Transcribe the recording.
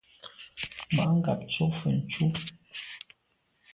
Mà ngab tsho’ mfe tù.